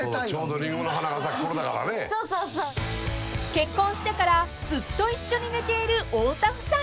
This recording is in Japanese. ［結婚してからずっと一緒に寝ている太田夫妻］